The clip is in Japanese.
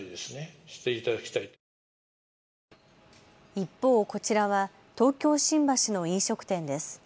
一方、こちらは東京新橋の飲食店です。